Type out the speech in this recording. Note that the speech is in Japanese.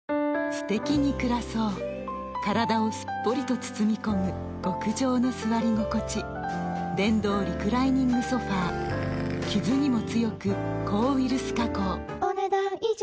すてきに暮らそう体をすっぽりと包み込む極上の座り心地電動リクライニングソファ傷にも強く抗ウイルス加工お、ねだん以上。